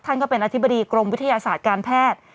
ก็เป็นอธิบดีกรมวิทยาศาสตร์การแพทย์